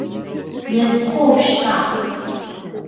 Иазхоуп шьҭа!